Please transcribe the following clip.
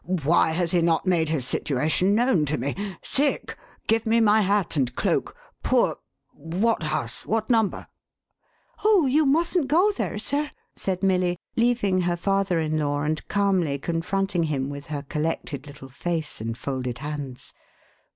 "Why has he not made his situation known to me ? Sick !— give me my hat and cloak. Poor !— what house ?— what number ?"" "Oh, you mustn't go there3 sir,"" said Milly, leaving her father in law, and calmly confronting him with her collected little face and folded hands.